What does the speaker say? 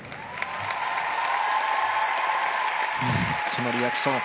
このリアクション。